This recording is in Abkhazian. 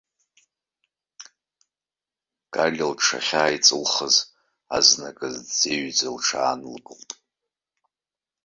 Галиа лҽахьааиҵылхыз, азныказ дӡеҩӡа лҽаанылкылт.